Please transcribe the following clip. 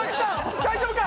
大丈夫か？